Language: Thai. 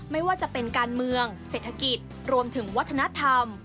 ไม่ว่าจะเป็นการเมืองเศรษฐกิจรวมถึงวัฒนธรรม